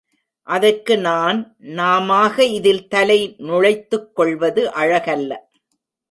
அதற்கு நான் நாமாக இதில் தலை நுழைத் துக்கொள்வது அழகல்ல.